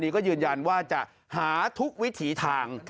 ก็ยืนยันว่าจะหาทุกวิถีทาง